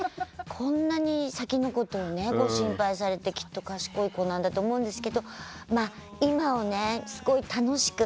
こんなに先のことをご心配されてきっと賢い子なんだと思うんですけどまあ、今をすごい楽しく。